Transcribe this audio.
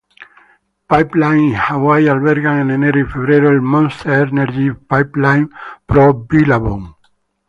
Pipeline y Hawaii albergan en enero y febrero el Monster Energy Pipeline Pro Billabong.